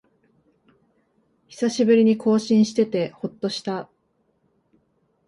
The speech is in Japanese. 久しぶりに更新しててほっとした